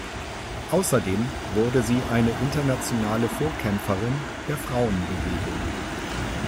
Außerdem wurde sie eine internationale Vorkämpferin der Frauenbewegung.